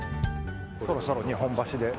そろそろ日本橋で。